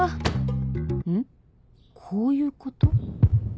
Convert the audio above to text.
こういうこと？